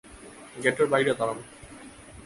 গেটের বাইরে দাঁড়ান।